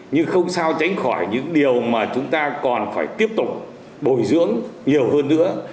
nhưng không sao tránh khỏi những điều mà chúng ta còn phải tiếp tục bồi dưỡng nhiều hơn nữa